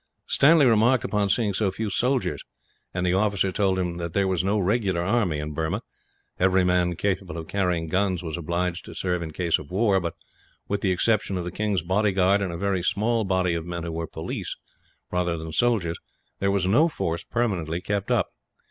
Stanley remarked upon seeing so few soldiers, and the officer told him that there was no regular army in Burma. Every man capable of carrying arms was obliged to serve in case of war but, with the exception of the king's bodyguard, and a very small body of men who were police, rather than soldiers, there was no force permanently kept up.